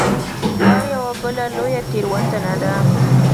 دا یوه بله لویه تېروتنه ده.